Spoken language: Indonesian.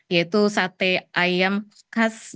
yaitu sate ayam khas